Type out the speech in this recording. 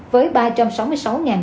với ba trăm sáu mươi sáu nhà ở